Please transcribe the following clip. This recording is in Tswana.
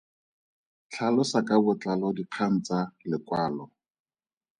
Tlhalosa ka botlalo dikgang tsa lekwalo.